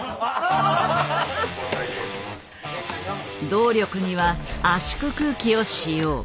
動力には圧縮空気を使用。